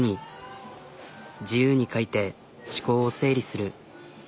自由に書いて思考を整理する。